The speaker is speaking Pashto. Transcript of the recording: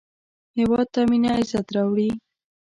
هېواد ته مینه عزت راوړي